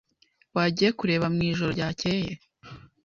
Wagiye kureba mwijoro ryakeye?